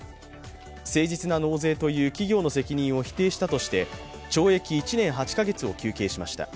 誠実な納税という企業の責任を否定したとして懲役１年８カ月を求刑しました。